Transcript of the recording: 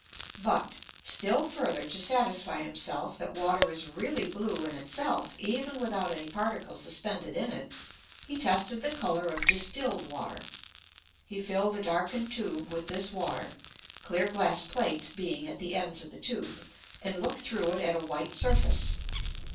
But, still further to satisfy himself that water is really blue in itself, even without any particles suspended in it, he tested the colour of distilled water. He filled a darkened tube with this water (clear glass plates being at the ends of the tube), and looked through it at a white surface.